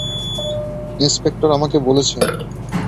Inspector আমাকে বলেছে।